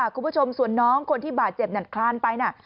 คุณผู้ชมส่วนน้องคนที่บาดเจ็บหนักคลานไปนะ